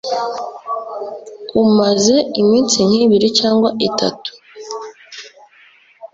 umaze iminsi nkibiri cyangwa itatu